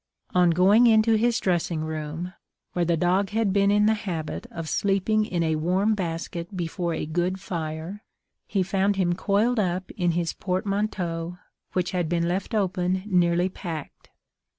On going into his dressing room, where the dog had been in the habit of sleeping in a warm basket before a good fire, he found him coiled up in his portmanteau, which had been left open nearly packed.